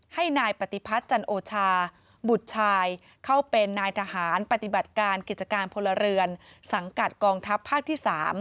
ให้นายปฏิพัฒน์จันโอชาบุตรชายเข้าเป็นนายทหารปฏิบัติการกิจการพลเรือนสังกัดกองทัพภาคที่๓